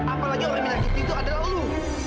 apalagi orang yang menyakiti itu adalah lu